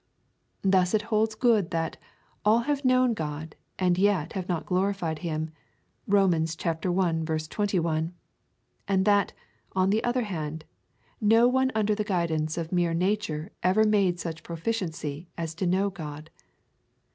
Thus it holds good, that all have known God, and yet have not glorified him, (Rom. i. 21,) and that, on the other hand, no one under the guidance of mere nature ever made such proficiency as to know God.